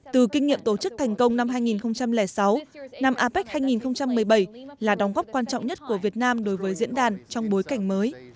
từ kinh nghiệm tổ chức thành công năm hai nghìn sáu năm apec hai nghìn một mươi bảy là đóng góp quan trọng nhất của việt nam đối với diễn đàn trong bối cảnh mới